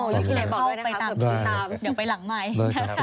ใช่ครับ